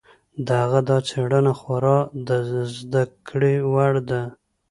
د هغه دا څېړنه خورا د زده کړې وړ ده.